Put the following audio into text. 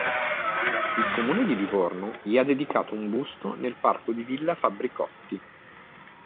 Il Comune di Livorno gli ha dedicato un busto nel parco di Villa Fabbricotti.